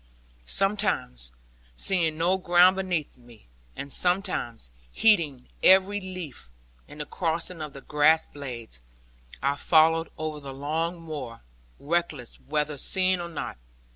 Sometimes seeing no ground beneath me, and sometimes heeding every leaf, and the crossing of the grass blades, I followed over the long moor, reckless whether seen or not.